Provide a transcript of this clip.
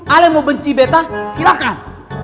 ala mau benci beta silahkan